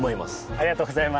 ありがとうございます